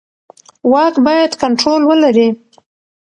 واک باید کنټرول ولري